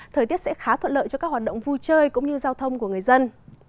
thời tiết sẽ khá thuận lợi cho các hoạt động vui chơi cũng như giao thông của người dân